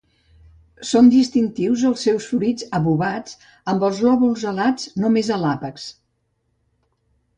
Són distintius els seus fruits obovats amb els lòbuls alats només a l'àpex.